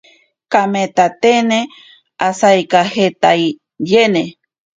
Kameetatene asaikajeetaiyene.